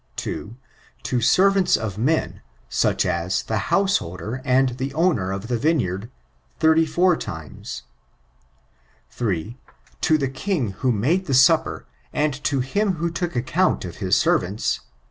2. To servants of men, such as the house* holder and the owner of the vineyard, 34 •• 3. To the king who made the supper, and to him who took account of his servants